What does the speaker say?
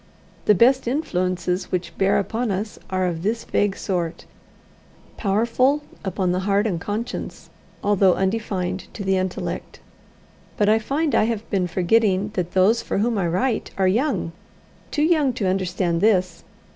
The best influences which bear upon us are of this vague sort powerful upon the heart and conscience, although undefined to the intellect. But I find I have been forgetting that those for whom I write are young too young to understand this.